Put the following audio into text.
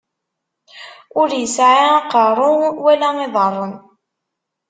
Ur isɛi aqeṛṛu, wala iḍaṛṛen.